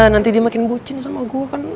nanti dia makin bucin sama gua kan